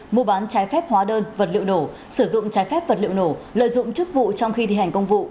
mua bán trái phép hóa đơn vật liệu nổ sử dụng trái phép vật liệu nổ lợi dụng chức vụ trong khi thi hành công vụ